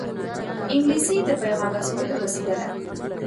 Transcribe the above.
انګلیسي د پېغام رسولو وسیله ده